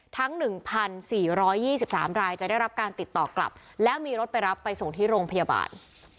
ทั้ง๑๔๒๓รายจะได้รับการติดต่อกลับแล้วมีรถไปรับไปส่งที่โรงพยาบาล